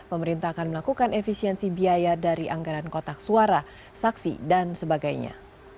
pemerintah akan melakukan efisiensi biaya dari anggaran kotak suara saksi dan sebagainya